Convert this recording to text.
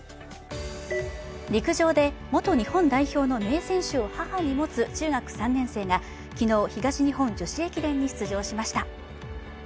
陸上で元日本代表の名選手を母に持つ中学３年生が昨日、東日本女子駅伝に出場しました。